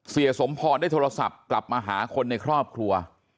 สมพรได้โทรศัพท์กลับมาหาคนในครอบครัว